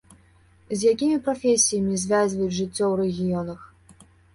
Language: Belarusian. З якімі прафесіямі звязваюць жыццё ў рэгіёнах.